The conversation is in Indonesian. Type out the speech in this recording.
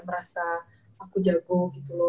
merasa aku jago gitu